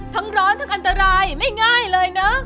ร้อนทั้งอันตรายไม่ง่ายเลยนะ